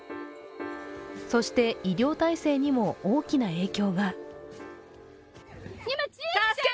そして医療体制にも大きな影響が。